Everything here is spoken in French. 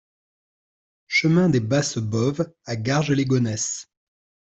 Chemin des Basses Bauves à Garges-lès-Gonesse